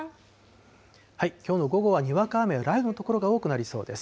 きょうの午後はにわか雨や雷雨の所が多くなりそうです。